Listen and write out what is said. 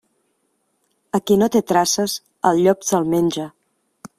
A qui no té traces, el llop se'l menja.